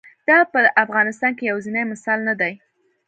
دا په افغانستان کې یوازینی مثال نه دی.